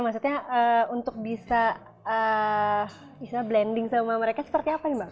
maksudnya untuk bisa blending sama mereka seperti apa mbak